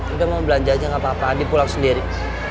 udah mau belanja aja nggak apa apa andi pulang sendiri